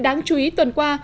đáng chú ý tuần qua